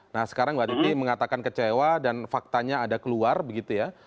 nah sekarang mbak titi mengatakan kecewa dan faktanya ada keluar begitu ya